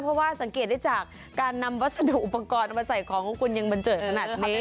เพราะว่าสังเกตได้จากการนำวัสดุอุปกรณ์มาใส่ของคุณยังบันเจิดขนาดนี้